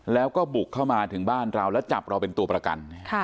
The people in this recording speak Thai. แล้วก็บุกเข้ามาถึงบ้านเราแล้วจับเราเป็นตัวประกัน